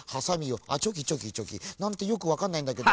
あっチョキチョキチョキ。なんてよくわかんないんだけど。